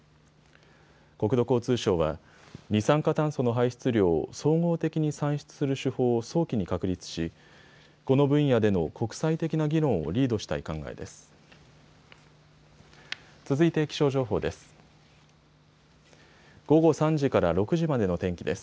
国土交通省は二酸化炭素の排出量を総合的に算出する手法を早期に確立しこの分野での国際的な議論をリードしたい考えです。